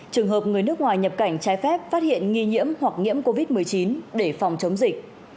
trường hợp người nước ngoài nhập cảnh trái phép phát hiện nghi nhiễm hoặc nhiễm covid một mươi chín để phòng chống dịch